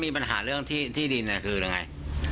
มีปัญหาเรื่องที่ดินคือยังไง